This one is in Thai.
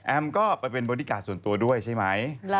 ก็ไปเป็นบอดี้การ์ดส่วนตัวด้วยใช่ไหม